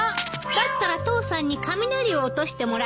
だったら父さんに雷を落としてもらえば？